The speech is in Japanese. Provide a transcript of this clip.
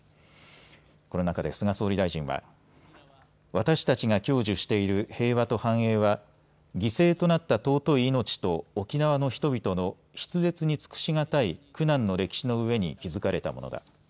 この中で菅総理大臣は、私たちが享受している平和と繁栄は犠牲となった尊い命と沖縄の人々の筆舌に尽くし難い苦難の歴史のうえに築かれたものだ。